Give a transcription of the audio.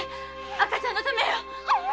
赤ちゃんのためよ！